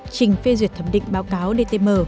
trình phê duyệt thẩm định báo cáo đtm